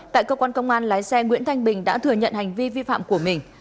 tại cơ quan công an lái xe nguyễn thanh bình đã thừa nhận hành vi vi phạm của mình